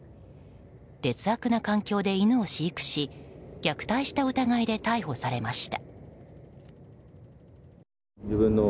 劣悪な環境で犬を飼育し虐待した疑いで逮捕されました。